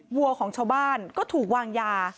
วัวของชาวบ้านก็ถูกวางยา